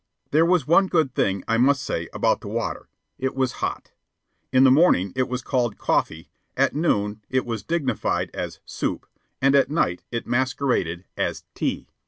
There was one good thing, I must say, about the water it was hot. In the morning it was called "coffee," at noon it was dignified as "soup," and at night it masqueraded as "tea."